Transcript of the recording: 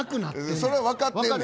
それは分かってんねん。